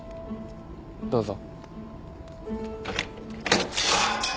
どうぞ。